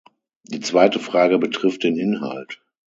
Die zweite Frage betrifft den Inhalt.